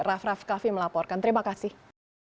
raff raff kaffi melaporkan terima kasih